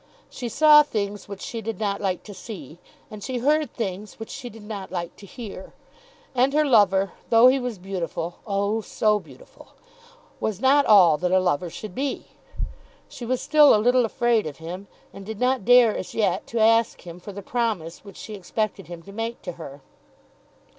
She saw things which she did not like to see. And she heard things which she did not like to hear. And her lover, though he was beautiful, oh, so beautiful! was not all that a lover should be. She was still a little afraid of him, and did not dare as yet to ask him for the promise which she expected him to make to her.